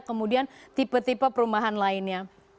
kemudian tipe tipe perumahan lainnya